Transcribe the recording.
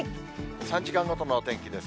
３時間ごとの天気です。